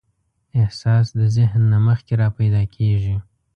احساس د ذهن نه مخکې راپیدا کېږي.